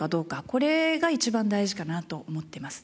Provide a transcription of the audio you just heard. これが一番大事かなと思ってます。